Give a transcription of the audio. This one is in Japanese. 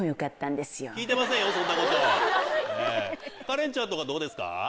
カレンちゃんとかどうですか。